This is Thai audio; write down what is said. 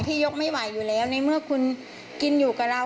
ยกไม่ไหวอยู่แล้วในเมื่อคุณกินอยู่กับเรา